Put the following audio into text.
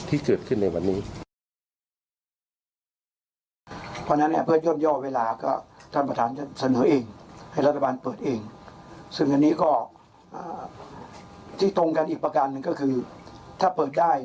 ถ้าเปิดได้นะครับ